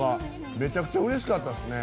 めちゃくちゃうれしかったっすね。